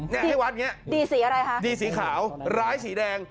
ให้วัดอย่างนี้ดีสีอะไรคะดีสีขาวร้ายสีแดง